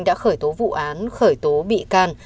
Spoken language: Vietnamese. đã khởi tố vụ án khởi tố bị can